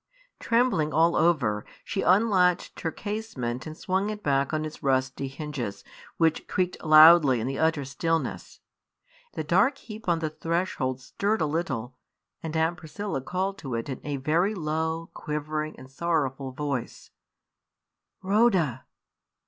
Trembling all over, she unlatched her casement and swung it back on its rusty hinges, which creaked loudly in the utter stillness. The dark heap on the threshold stirred a little; and Aunt Priscilla called to it in a very low, quivering, and sorrowful voice "Rhoda!"